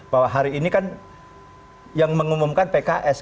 bahwa hari ini kan yang mengumumkan pks